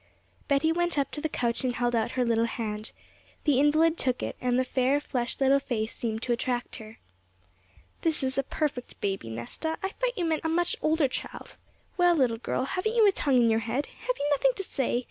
Betty went up to the couch and held out her little hand. The invalid took it, and the fair, flushed little face seemed to attract her. 'This is a perfect baby, Nesta; I thought you meant a much older child. Well, little girl, haven't you a tongue in your head? Have you nothing to say?